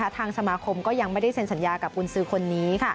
ทางสมาคมก็ยังไม่ได้เซ็นสัญญากับกุญสือคนนี้